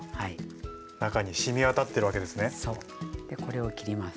これを切ります。